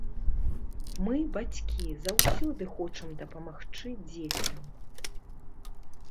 Мы, бацькі, заўсёды хочам дапамагчы дзецям.